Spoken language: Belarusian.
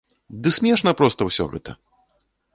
Ды смешна проста ўсё гэта!